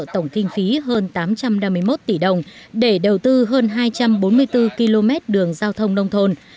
tổng kinh phí hơn tám trăm năm mươi một tỷ đồng để đầu tư hơn hai trăm bốn mươi bốn km đường giao thông nông thôn